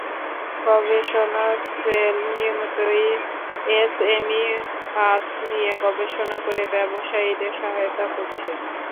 গবেষণা সেল নিয়মিতই এসএমই খাত নিয়ে গবেষণা করে ব্যবসায়ীদের সহায়তা করছে।